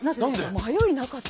迷いなかった。